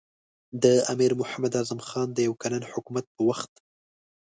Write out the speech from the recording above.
د امیر محمد اعظم خان د یو کلن حکومت په وخت.